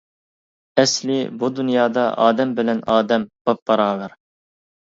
ئەسلى، بۇ دۇنيادا ئادەم بىلەن ئادەم باپباراۋەر.